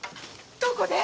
どこで？